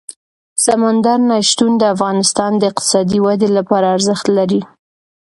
سمندر نه شتون د افغانستان د اقتصادي ودې لپاره ارزښت لري.